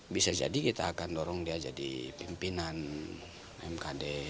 bisa jadi kita akan dorong dia jadi pimpinan mkd